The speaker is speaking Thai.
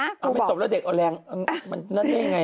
ไม่ตบแล้วเด็กเอาแรงมันนั่นได้อย่างไร